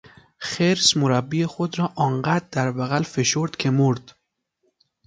خرس مربی خود را آنقدر در بغل فشرد که مرد.